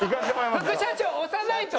副社長押さないと。